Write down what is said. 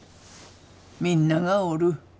みんながおる。